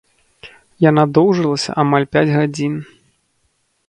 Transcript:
Яна доўжылася амаль пяць гадзін.